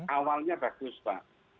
awalnya bagus pak